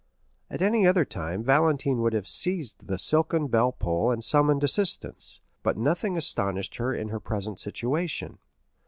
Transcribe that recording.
At any other time Valentine would have seized the silken bell pull and summoned assistance, but nothing astonished her in her present situation.